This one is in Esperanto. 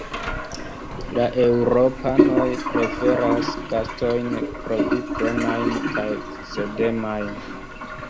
La eŭropanoj preferas gastojn profitdonajn kaj cedemajn.